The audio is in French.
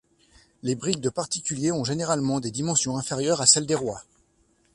Les briques de particuliers ont généralement des dimensions inférieures à celles des rois.